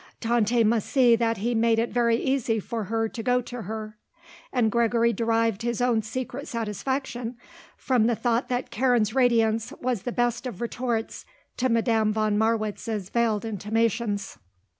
Tante must see that he made it very easy for her to go to her, and Gregory derived his own secret satisfaction from the thought that Karen's radiance was the best of retorts to Madame von Marwitz's veiled intimations.